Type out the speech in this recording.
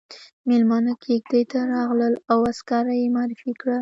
ميلمانه کېږدۍ ته راغلل او عسکره يې معرفي کړه.